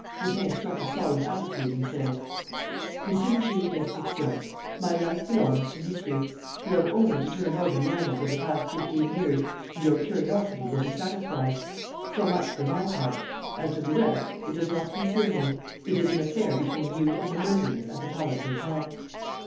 Lupin struck a solemn attitude and said: "M. le Juge d'Instruction, my life belongs to history. You have only to turn over the annals of the past fifteen years and your curiosity will be satisfied. So much for my part. As to the rest, it does not concern me: it is an affair between you and the murderers at the Palace Hotel."